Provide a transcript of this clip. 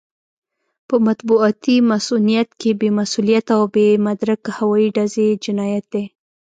په مطبوعاتي مصؤنيت کې بې مسووليته او بې مدرکه هوايي ډزې جنايت دی.